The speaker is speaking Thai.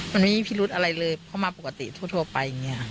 มันไม่มีพิรุธอะไรเลยเพราะมาปกติทั่วไปอย่างนี้